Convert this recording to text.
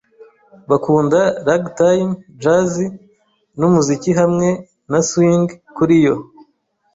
Bakunda ragtime, jazz numuziki hamwe na swing kuri yo.